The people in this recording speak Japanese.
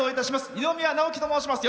二宮直輝と申します。